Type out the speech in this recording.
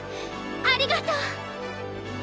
ありがとう！